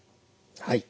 はい。